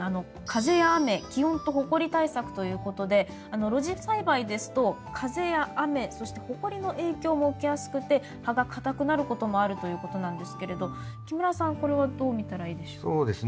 風や雨気温とほこり対策ということで露地栽培ですと風や雨そしてほこりの影響も受けやすくて葉がかたくなることもあるということなんですけれど木村さんこれはどう見たらいいでしょう？